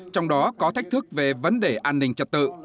trong đó có thách thức về vấn đề an ninh trật tự